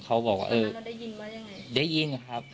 เขาบอกว่าได้ยินหรือครับ